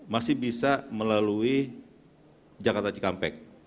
masih bisa melalui jakarta cikampek